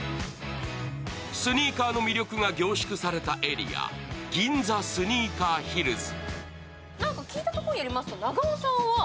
スニーカーの魅力が凝縮されたエリア、銀座スニーカーヒルズ。